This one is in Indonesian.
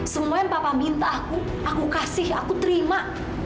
semua yang papa minta aku aku kasih aku terima